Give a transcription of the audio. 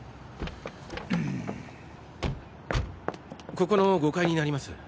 ここの５階になります。